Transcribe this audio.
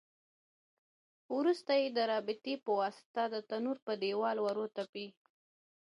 وروسته یې د رپېدې په واسطه د تنور په دېوال ورتپي.